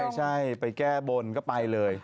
ไม่ใช่ไปแก้บนก็ไปเลย